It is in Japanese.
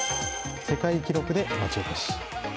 世界記録で町おこし。